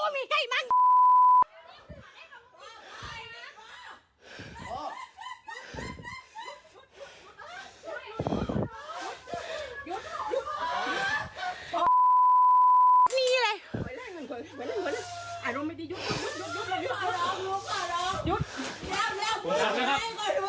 ไม่มีใครแล้วมันต้องมาช่วยพวกมันแล้ว